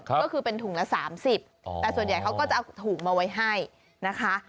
ก็คือเป็นถุงละ๓๐แต่ส่วนใหญ่เขาก็จะเอาถุงมาไว้ให้นะคะ